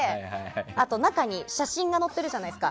あと、中に写真が載ってるじゃないですか。